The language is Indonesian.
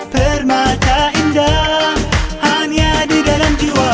permata indah hanya di dalam jiwa